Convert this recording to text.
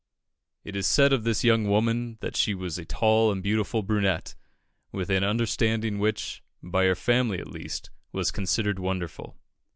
It is said of this young woman that she was a tall and beautiful brunette, with an understanding which, by her family at least, was considered wonderful.